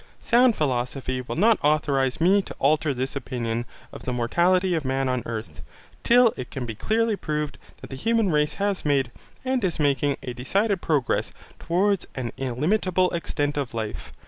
Sound philosophy will not authorize me to alter this opinion of the mortality of man on earth, till it can be clearly proved that the human race has made, and is making, a decided progress towards an illimitable extent of life.